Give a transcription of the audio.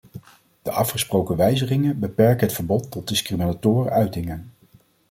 De afgesproken wijzigingen beperken het verbod tot discriminatoire uitingen.